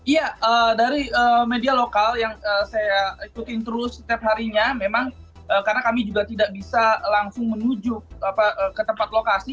iya dari media lokal yang saya ikutin terus setiap harinya memang karena kami juga tidak bisa langsung menuju ke tempat lokasi